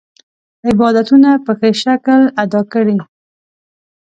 عبادتونه په ښه شکل ادا کړي.